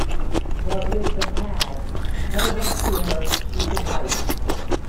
But with the pad held up to her she could write.